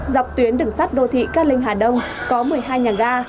dọc tuyến đường sắt đô thị cát linh hà đông có một mươi hai nhà ga